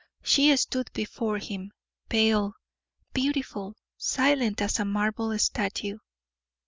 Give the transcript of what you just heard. She stood before him pale, beautiful, silent as a marble statue.